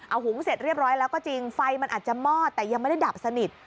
เอาหุงเสร็จเรียบร้อยแล้วก็จริงไฟมันอาจจะมอดแต่ยังไม่ได้ดับสนิท